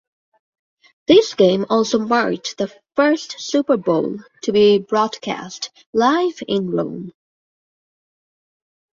This game also marked the first Super Bowl to be broadcast live in Rome.